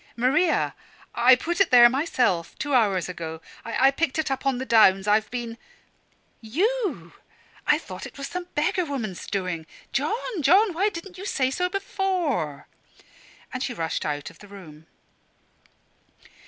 "Maria! I put it there myself, two hours ago. I picked it up on the downs. I've been " "You! I thought it was some beggar woman's doing. John, John why didn't you say so before!" And she rushed out of the room.